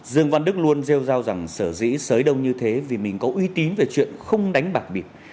dương văn đức luôn rêu rao rằng sở dĩ sới đông như thế vì mình có uy tín về chuyện không đánh bạc bịp